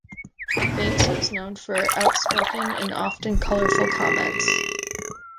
Banks was known for outspoken and often colourful comments.